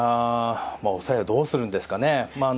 抑えどうするんですかね。